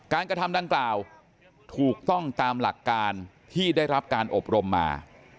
กระทำดังกล่าวถูกต้องตามหลักการที่ได้รับการอบรมมา